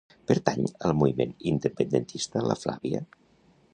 Pertany al moviment independentista la Flavia?